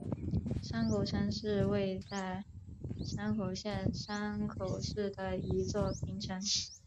山口城是位在山口县山口市的一座平城。